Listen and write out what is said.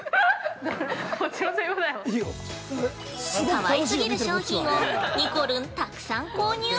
◆かわい過ぎる商品を、にこるん、たくさん購入。